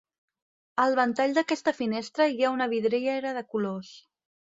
Al ventall d'aquesta finestra hi ha una vidriera de colors.